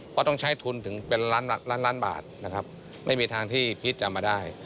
เพราะต้องใช้ทุนถึงเป็นล้านล้านล้านบาทนะครับไม่มีทางที่พีชจะมาได้